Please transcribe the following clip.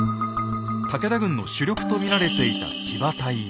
武田軍の主力と見られていた騎馬隊や。